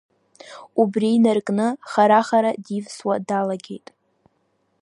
Убри инаркны хара-хара дивсуа далагеит.